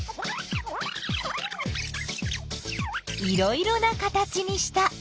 いろいろな形にした。